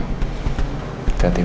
terima kasih mak